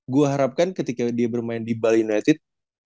gue harapkan ketika dia bermain di bali united